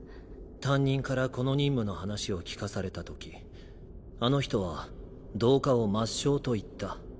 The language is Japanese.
担任からこの任務の話を聞かされたときあの人は同化を抹消と言った。